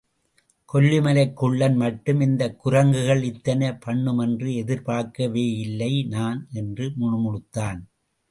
கொல்லிமலைக் குள்ளன் மட்டும், இந்தக் குரங்குகள் இத்தனை பண்ணுமென்று எதிர்பார்க்கவேயில்லை நான், என்று முணுமுணுத்தான்.